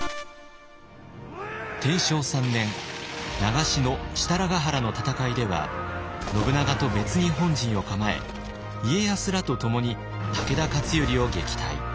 天正３年長篠・設楽原の戦いでは信長と別に本陣を構え家康らとともに武田勝頼を撃退。